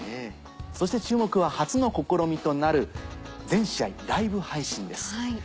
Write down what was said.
そして注目は初の試みとなる全試合ライブ配信です。